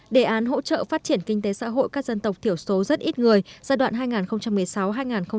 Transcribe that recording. đề án hỗ trợ phát triển kinh tế xã hội các dân tộc thiểu số rất ít người giai đoạn hai nghìn một mươi sáu hai nghìn hai mươi